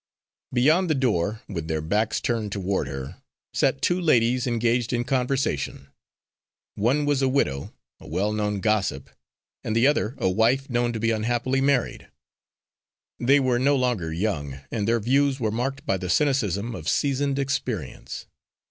Beyond the door, with their backs turned toward her, sat two ladies engaged in conversation. One was a widow, a well known gossip, and the other a wife known to be unhappily married. They were no longer young, and their views were marked by the cynicism of seasoned experience.